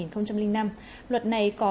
năm hai nghìn năm luật này có